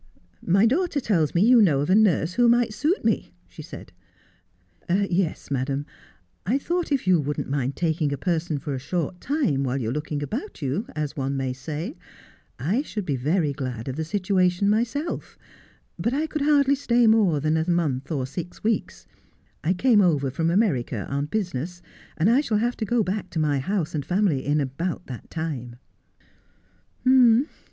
' My daughter tells me you know of a nurse who might suit me,' she said. ' Yes, madam ; I thought, if you wouldn't mind taking a person for a short time, while you are looking about you, as one Shafto Jebb is sent for. 183 may say, I should be very glad of the situation myself. But I could hardly stay more than a month or six weeks. I came over from America on business, and I shall have to go back to my house and family in about that time.'